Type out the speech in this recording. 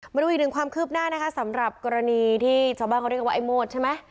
มาดูอีกหนึ่งความคืบหน้านะคะสำหรับกรณีที่ชาวบ้านเขาเรียกกันว่าไอ้โมดใช่ไหม